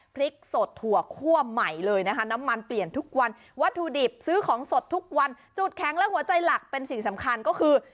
พริกสดถั่วคั่วใหม่เลยนะคะน้ำมันเปลี่ยนทุกวันวัตถุดิบซื้อของสดทุกวันจุดแข็งและหัวใจหลักเป็นสิ่งสำคัญก็คือ